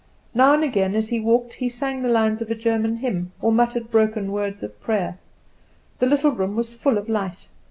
Now and again as he walked he sang the lines of a German hymn, or muttered broken words of prayer. The little room was full of light.